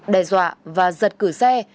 đe dọa và giật cử xe